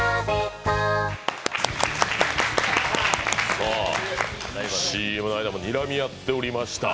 さあ、ＣＭの間もにらみ合っていました。